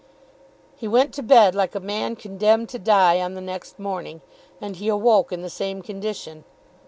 He went to bed like a man condemned to die on the next morning, and he awoke in the same condition.